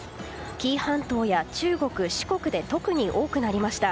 紀伊半島や中国・四国で特に多くなりました。